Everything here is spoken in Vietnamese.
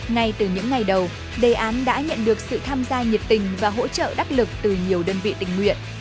ngay từ những ngày đầu đề án đã nhận được sự tham gia nhiệt tình và hỗ trợ đắc lực từ nhiều đơn vị tình nguyện